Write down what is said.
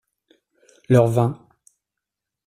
Leur vin.